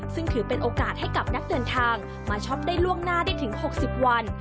ซึ่งถือเป็นโอกาสให้กับนักเดินทางมาช็อปได้ล่วงหน้าได้ถึง๖๐วัน